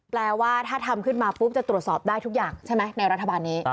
แปลว่าถ้าทำขึ้นมาปุ๊บจะตรวจสอบได้ทุกอย่างใช่ไหมในรัฐบาลนี้